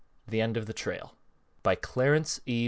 The End of the Trail _By Clarence E.